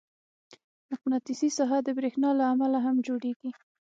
مقناطیسي ساحه د برېښنا له امله هم جوړېږي.